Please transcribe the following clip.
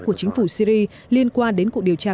của chính phủ syri liên quan đến cuộc điều tra